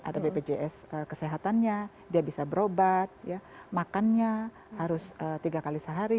ada bpjs kesehatannya dia bisa berobat makannya harus tiga kali sehari